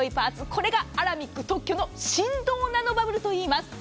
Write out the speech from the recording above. これがアラミック特許の振動ナノバブルといいます。